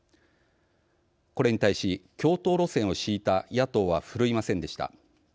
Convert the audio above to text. これに対し共闘路線を敷いた野党はふるいませんでした。